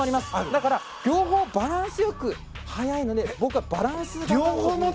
だから両方バランスよく速いので僕は、バランス型だと。